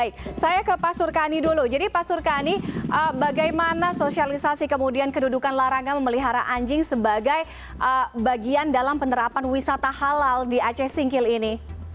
baik saya ke pak surkani dulu jadi pak surkani bagaimana sosialisasi kemudian kedudukan larangan memelihara anjing sebagai bagian dalam penerapan wisata halal di aceh singkil ini